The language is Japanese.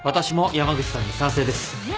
えっ？